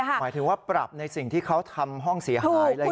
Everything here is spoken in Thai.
หมายถึงว่าปรับในสิ่งที่เขาทำห้องเสียหาย